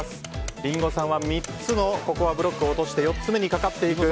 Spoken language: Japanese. リンゴさんは３つのブロックを落として４つ目にかかっていく。